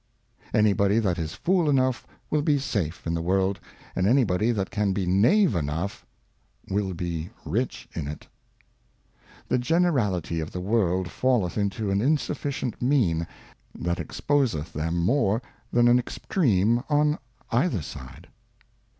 Any body that is Fool enough will be safe in the World, and any body that can be Knave enough will be rich in it. The generality of the World falleth into an insufficient Mean that exposeth them more than an Extreme on either Side.